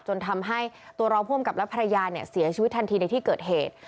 จนทำให้ตัวรองผู้อำกับและภรรยาเนี่ยเสียชีวิตทันทีในที่เกิดเหตุ